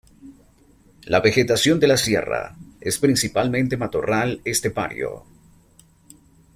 La vegetación de la sierra es principalmente matorral estepario.